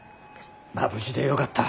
まあ無事でよかった。